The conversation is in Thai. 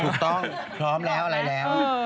ถูกต้องพร้อมแล้วอะไรแล้ว